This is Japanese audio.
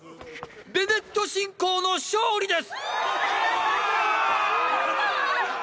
ベネット信仰の勝利です！！